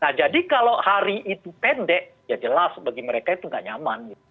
nah jadi kalau hari itu pendek ya jelas bagi mereka itu nggak nyaman